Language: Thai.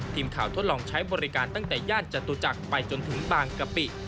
ทดลองใช้บริการตั้งแต่ย่านจตุจักรไปจนถึงบางกะปิ